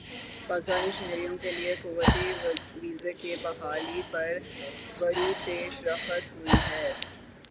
پاکستانی شہریوں کے لیے کویتی ویزے کی بحالی پر بڑی پیش رفت ہوئی ہےا